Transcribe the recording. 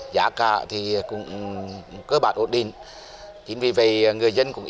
giá cả thì cũng